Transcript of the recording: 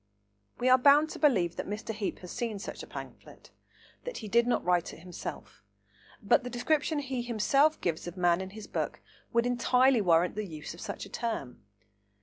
We are bound to believe that Mr. Heape has seen such a pamphlet, and that he did not write it himself, but the description he himself gives of man in his book would entirely warrant the use of such a term.